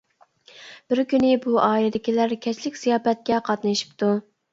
بىر كۈنى بۇ ئائىلىدىكىلەر كەچلىك زىياپەتكە قاتنىشىپتۇ.